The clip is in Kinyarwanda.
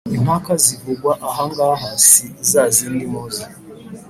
Impaka zivugwa aha ngaha si za zindi muzi